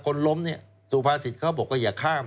คนล้มเนี่ยสุภาษิตเขาบอกว่าอย่าข้าม